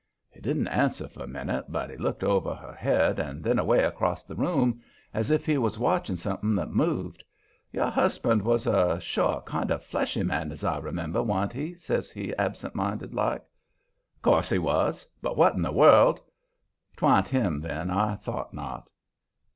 He didn't answer for a minute, but he looked over her head and then away acrost the room, as if he was watching something that moved. "Your husband was a short, kind of fleshy man, as I remember, wa'n't he?" says he, absent minded like. "Course he was. But what in the world " "'Twa'n't him, then. I thought not."